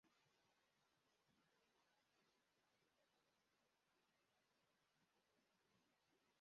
Abasirikare biga kurasa imbunda zabo